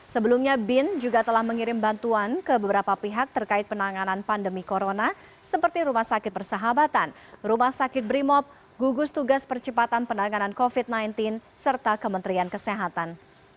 sebelumnya bin juga telah mengirim bantuan ke beberapa pihak terkait penanganan pandemi corona seperti rumah sakit persahabatan rumah sakit brimob gugus tugas percepatan penanganan covid sembilan belas serta kementerian kesehatan